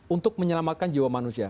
untuk menyelamatkan jiwa manusia